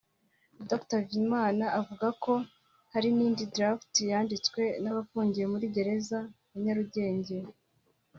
Dr Bizimana avuga ko hari n’indi ‘draft’ yanditswe n’abafungiye muri gereza ya Nyarugenge